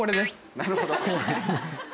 なるほど。